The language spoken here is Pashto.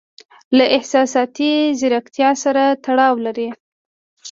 له احساساتي زیرکتیا سره تړاو لري.